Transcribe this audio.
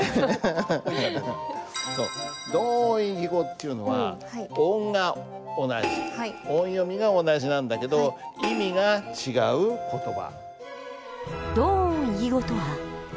同音異義語っていうのは音が同じ音読みが同じなんだけど意味が違う言葉。